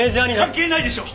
関係ないでしょ！